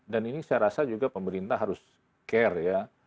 dan ini saya rasa juga pemerintah harus care ya